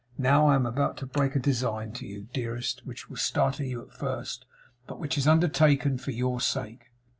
Now, I am about to break a design to you, dearest, which will startle you at first, but which is undertaken for your sake.